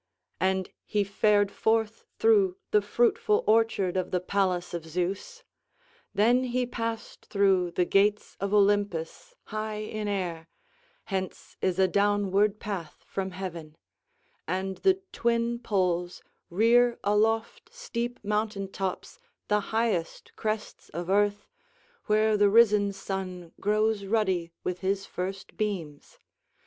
And he fared forth through the fruitful orchard of the palace of Zeus. Then he passed through the gates of Olympus high in air; hence is a downward path from heaven; and the twin poles rear aloft steep mountain tops the highest crests of earth, where the risen sun grows ruddy with his first beams.